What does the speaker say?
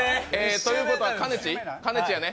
ということは、かねちーやね。